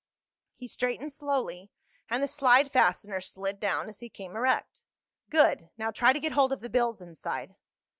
He straightened slowly, and the slide fastener slid down as he came erect. "Good. Now try to get hold of the bills inside."